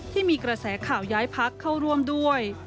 ที่มีกระแสข่าวย้ายพักเข้าร่วมด้วย